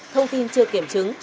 thông tin chưa kiểm chứng